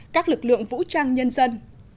các lực lượng vũ trang nhân dân